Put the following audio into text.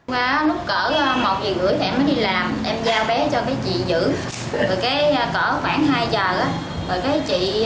một ngày rưỡi thì em mới đi làm em giao bé cho cái chị giữ